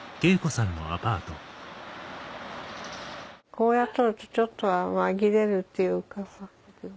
こうやっとるとちょっとは紛れるっていうかさ。